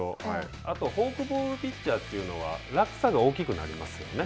あとフォークボールピッチャーというのは、落差が大きくなりますよね。